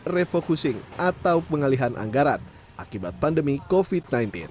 refocusing atau pengalihan anggaran akibat pandemi covid sembilan belas